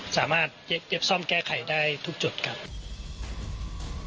สามารถเก็บซ่อมแก้ไขได้ทุกจุดครับ